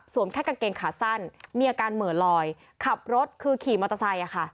แค่กางเกงขาสั้นมีอาการเหมือนลอยขับรถคือขี่มอเตอร์ไซค์